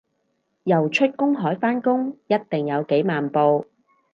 游出公海返工一定有幾萬步